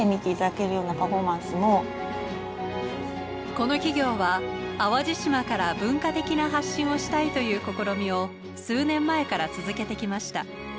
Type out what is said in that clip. この企業は淡路島から文化的な発信をしたいという試みを数年前から続けてきました。